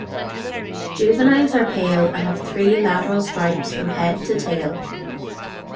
Juveniles are pale and have three lateral stripes from head to tail.